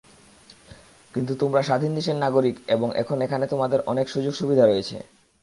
কিন্তু তোমরা স্বাধীন দেশের নাগরিক এবং এখন এখানে তোমাদের অনেক সুযোগসুবিধা রয়েছে।